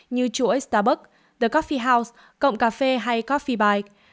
như chuỗi starbucks the coffee house cộng cà phê hay coffee bike